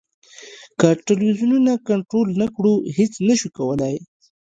که ټلویزیونونه کنټرول نه کړو هېڅ نه شو کولای.